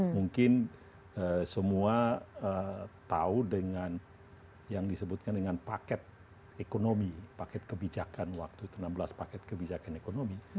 mungkin semua tahu dengan yang disebutkan dengan paket ekonomi paket kebijakan waktu itu enam belas paket kebijakan ekonomi